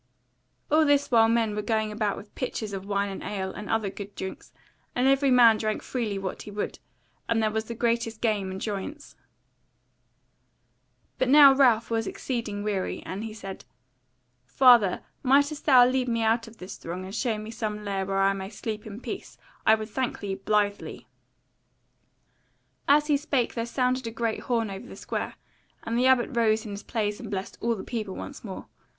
All this while men were going about with pitchers of wine and ale, and other good drinks; and every man drank freely what he would, and there was the greatest game and joyance. But now was Ralph exceeding weary, and he said: "Father, mightest thou lead me out of this throng, and show me some lair where I may sleep in peace, I would thank thee blithely." As he spake there sounded a great horn over the square, and the Abbot rose in his place and blessed all the people once more.